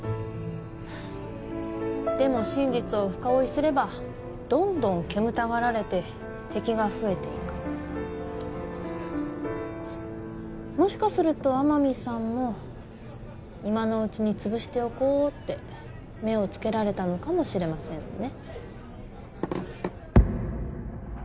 でも真実を深追いすればどんどん煙たがられて敵が増えていくもしかすると天海さんも今のうちにつぶしておこうって目をつけられたのかもしれませんね